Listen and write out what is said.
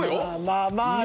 まあまあね。